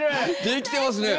できてますね！